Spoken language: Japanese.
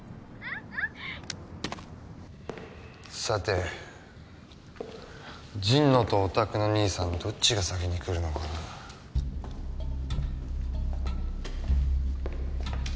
さて神野とお宅の兄さんどっちが先に来るのかな。